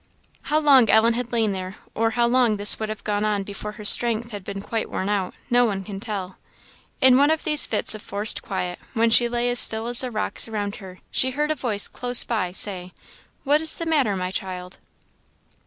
How long Ellen had lain there, or how long this would have gone on before her strength had been quite worn out, no one can tell. In one of these fits of forced quiet, when she lay as still as the rocks around her, she heard a voice close by say, "What is the matter, my child?"